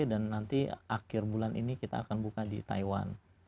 dan nanti akhir bulan ini kita akan buka di taiwan